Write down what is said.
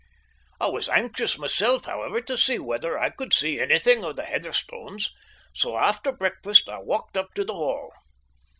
I was anxious, myself, however, to see whether I could see anything of the Heatherstones, so after breakfast I walked up to the Hall.